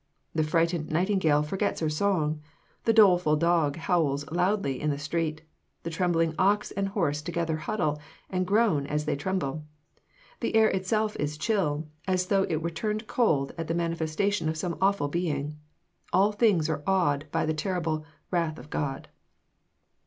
The frightened nightingale forgets her song. The doleful dog howls loudly in the street. The trembling ox and horse together huddle, and groan as they tremble. The air itself is chill, as though it were turned cold at the manifestation of some awful being. All things are awed by the terrible "Wrath of God."